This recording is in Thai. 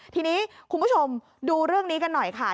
ทีนี้คุณผู้ชมดูเรื่องนี้กันหน่อยค่ะ